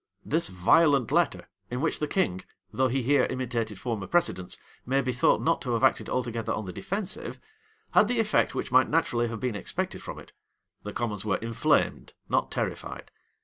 [*] This violent letter, in which the king, though he here imitated former precedents, may be thought not to have acted altogether on the defensive, had the effect which might naturally have been expected from it: the commons were inflamed, not terrified.